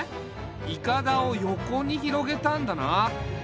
いかだを横に広げたんだな。